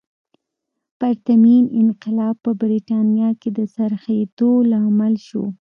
پرتمین انقلاب په برېټانیا کې د څرخېدو لامل شو.